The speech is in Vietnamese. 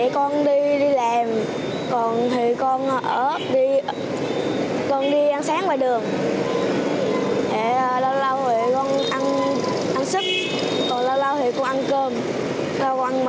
còn lâu lâu thì cô ăn cơm lâu lâu thì cô ăn mì